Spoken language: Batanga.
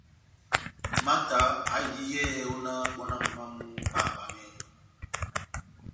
Mata aháhindi yɛ́hɛ́pi ó náh bɔ náh momó wamu báháhabanɛhɛni.